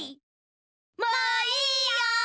もういいよ！